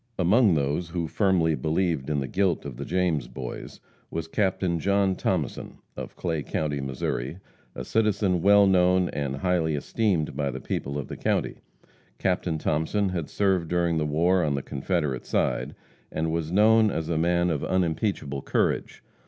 Among those who firmly believed in the guilt of the James boys, was Captain John Thomason, of Clay county, Missouri, a citizen well known and highly esteemed by the people of the county. Captain Thomason had served during the war on the Confederate side, and was known as a man of unimpeachable courage.